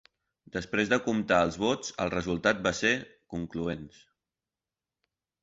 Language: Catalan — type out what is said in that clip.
Després de comptar els vots, el resultat va ser concloents.